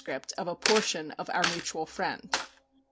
of a portion of "Our Mutual Friend."